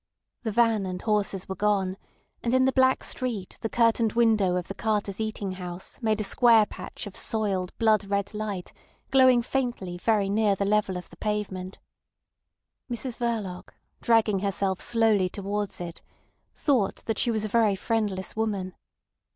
The van and horses were gone, and in the black street the curtained window of the carters' eating house made a square patch of soiled blood red light glowing faintly very near the level of the pavement. Mrs Verloc, dragging herself slowly towards it, thought that she was a very friendless woman.